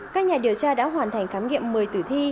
các nhà điều tra đã hoàn thành khám nghiệm một mươi tử thi